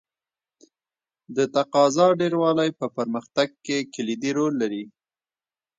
د تقاضا ډېروالی په پرمختګ کې کلیدي رول لري.